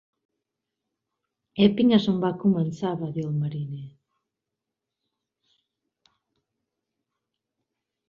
"Epping és on va començar", va dir el mariner.